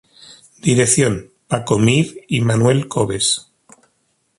Dirección: Paco Mir y Manuel Coves.